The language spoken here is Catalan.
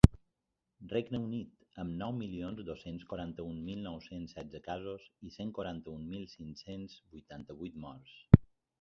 Regne Unit, amb nou milions dos-cents quaranta-un mil nou-cents setze casos i cent quaranta-un mil cinc-cents vuitanta-vuit morts.